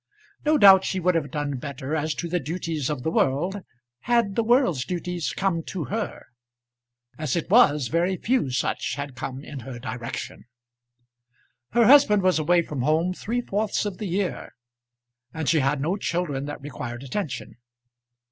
No doubt she would have done better as to the duties of the world, had the world's duties come to her. As it was, very few such had come in her direction. Her husband was away from home three fourths of the year, and she had no children that required attention.